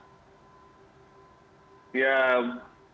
ya kalau ditanya tanya